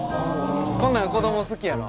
こんなん子供好きやろ？